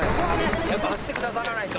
走ってくださらないと。